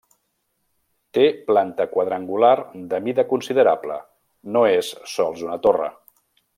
Té planta quadrangular de mida considerable, no és sols una torre.